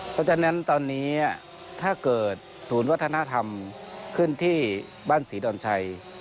เพราะฉะนั้นตอนนี้ถ้าเกิดศูนย์วัฒนธรรมขึ้นที่บ้านศรีดอนชัย